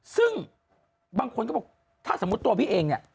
ซึ่งบางคนก็บอกถ้าสมมุติตัวพี่เองเนี่ย